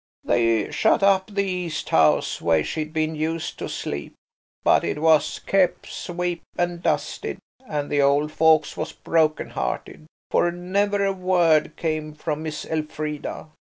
"They shut up the East House, where she'd been used to sleep; but it was kep' swep' and dusted, and the old folks was broken hearted, for never a word come from Miss Elfrida.